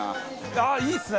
ああーいいっすね！